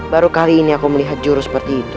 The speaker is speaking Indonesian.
baru kali ini aku melihat juru seperti itu